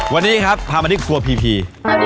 วันนี้ครับพามาที่กลัวพีพี